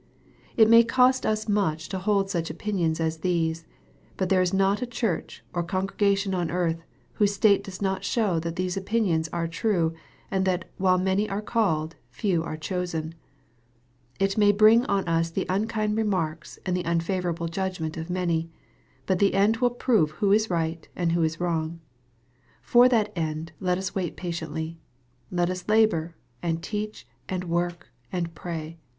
It may cost us much to hold such opinions as these. But there is not a church or congregation on earth, whose state does not show that these opinions are true, and that while " many are called, few are chosen." It may bring on us the unkind remarks and the un favorable judgment of many. But the end will prove who is right and who is wrong. For that end let ua wait patiently. Let us labor, and teach, and work, and pray.